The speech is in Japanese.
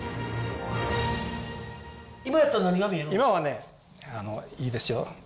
今はねいいですよ。